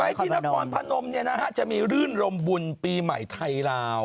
ไปที่นครพนมเนี่ยนะฮะจะมีฤื่ลลมบุญปีใหม่ไทยราว